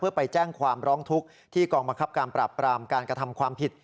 เพื่อไปแจ้งความร้องทุกข์ที่กองบังคับการปราบปรามการกระทำความผิด